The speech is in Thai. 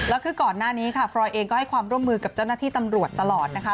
แล้วคือก่อนหน้านี้ค่ะฟรอยเองก็ให้ความร่วมมือกับเจ้าหน้าที่ตำรวจตลอดนะคะ